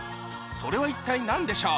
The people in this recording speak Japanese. それは一体何でしょう？